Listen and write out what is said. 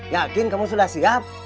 yakin kamu sudah siap